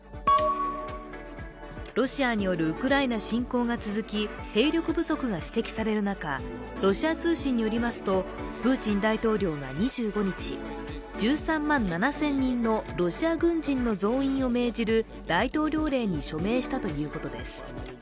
ロシアによるウクライナ侵攻が続き兵力不足が指摘される中ロシア通信によりますとプーチン大統領が２５日、１３万７０００人のロシア軍人の増員を命じる大統領令に署名したということです。